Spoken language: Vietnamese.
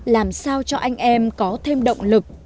làm sao cho anh em có thêm động lực